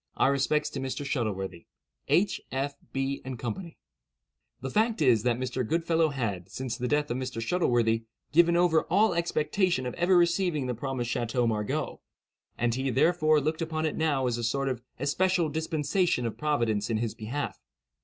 Our respects to Mr. Shuttleworthy. "H., F., B., & CO." The fact is, that Mr. Goodfellow had, since the death of Mr. Shuttleworthy, given over all expectation of ever receiving the promised Chateau Margaux; and he, therefore, looked upon it now as a sort of especial dispensation of Providence in his behalf.